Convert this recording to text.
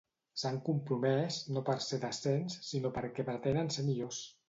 S'han compromès no per ser decents sinó perquè pretenen ser millors.